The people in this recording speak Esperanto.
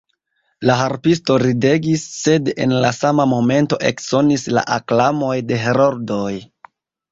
La harpisto ridegis, sed en la sama momento eksonis la aklamoj de heroldoj.